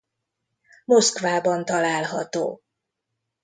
Moszkvában található.